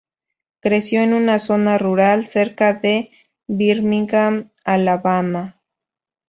Creció en una zona rural cerca de Birmingham, Alabama.